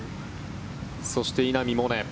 そして、稲見萌寧。